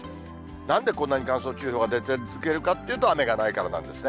なんでこんなに乾燥注意報が出続けるかというと、雨がないからなんですね。